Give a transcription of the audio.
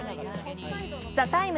「ＴＨＥＴＩＭＥ，」